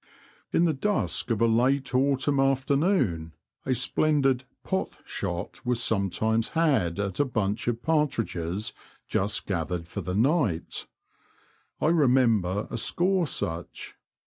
In the dusk of a late autumn afternoon a splendid '' pot " shot was sometimes had at a bunch of partridges just gathered for the night. I remember a score such.